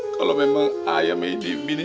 kalau memang ayah mewini dengking nih